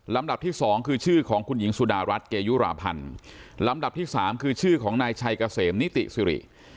ลำดับที่สองคือชื่อของคุณหญิงสุดารัฐเกยุราพันธ์ลำดับที่สามคือชื่อของนายชัยเกษมนิติสิริ